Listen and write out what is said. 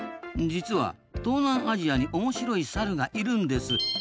実は東南アジアに面白いサルがいるんです。